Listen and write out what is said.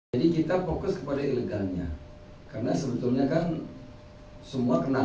jadi kita fokus kepada ilegalnya